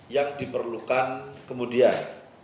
yang diperlukan kemudian